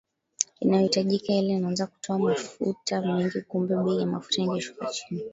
inayohitaji hela inaanza kutoa mafuta mengi kumbe bei ya mafuta ingeshuka chini